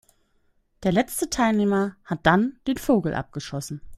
Der letzte Teilnehmer hat dann den Vogel abgeschossen.